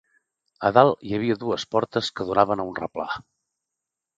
A dalt hi havia dugues portes que donaven a un replà